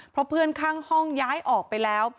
เพราะเพื่อนข้างห้องย้ายออกไปแล้ว